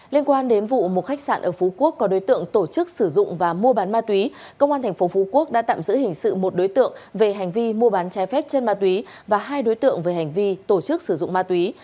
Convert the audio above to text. liên quan đến vụ một khách sạn ở phú quốc có đối tượng tổ chức sử dụng và mua bán ma túy công an tp phú quốc đã tạm giữ hình sự một đối tượng về hành vi mua bán trái phép chân ma túy và hai đối tượng về hành vi tổ chức sử dụng ma túy